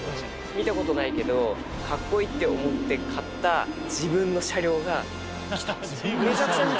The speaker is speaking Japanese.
見たことないけど、かっこいいって思って買った自分の車両が来た。